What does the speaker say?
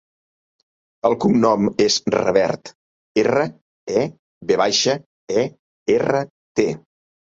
El cognom és Revert: erra, e, ve baixa, e, erra, te.